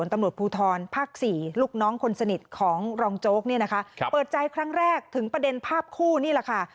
ตำรวจภูทรภาค๔ลูกน้องคนสนิทของรองโจ๊กเนี่ยนะคะเปิดใจครั้งแรกถึงประเด็นภาพคู่นี่แหละค่ะ